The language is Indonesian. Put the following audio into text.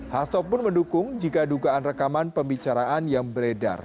hasto pun mendukung jika dugaan rekaman pembicaraan yang beredar